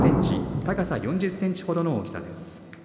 高さ４０センチほどの大きさです。